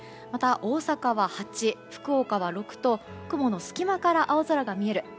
また、大阪は８福岡は６と、雲の隙間から青空が見える。